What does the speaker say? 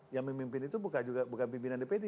yang memimpin itu bukan juga pimpinan dpd